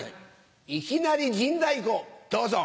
いきなり陣太鼓どうぞ！